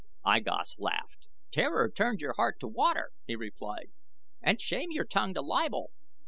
I Gos laughed. "Terror turned your heart to water," he replied; "and shame your tongue to libel.